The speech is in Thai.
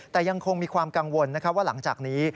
แต่ยังคงมีความกังวลว่าหลังจากนี้